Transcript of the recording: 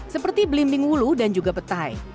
seperti belimbing wulu dan juga petai